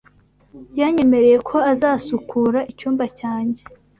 Yanyemereye ko azasukura icyumba cyanjye.